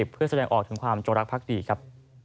เพื่อแสดงออกถึงความจงรักภักดีครับ